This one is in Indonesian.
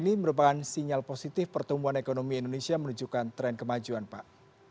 ini merupakan sinyal positif pertumbuhan ekonomi indonesia menunjukkan tren kemajuan pak